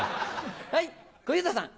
はい小遊三さん。